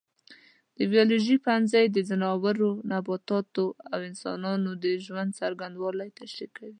د بیولوژي پوهنځی د ځناورو، نباتاتو او انسانانو د ژوند څرنګوالی تشریح کوي.